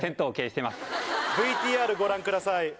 ＶＴＲご覧ください。